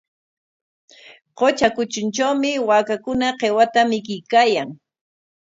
Qutra kutruntrawmi waakakuna qiwata mikuykaayan.